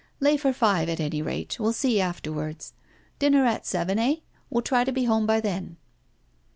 Lay for five, at any rate; we'll see afterwards. Dinner at seven, eh? we'll try to be home by then.